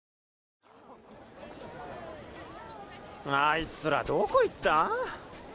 あいつらどこ行った？